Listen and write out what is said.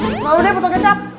pemalunya potong kecap